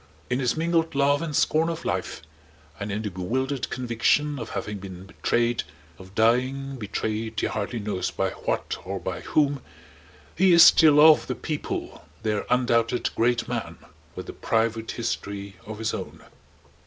In his mingled love and scorn of life and in the bewildered conviction of having been betrayed, of dying betrayed he hardly knows by what or by whom, he is still of the People, their undoubted Great Man with a private history of his own.